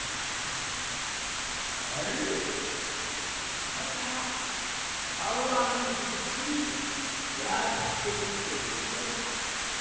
あれまた川のふちにやってきてしもた。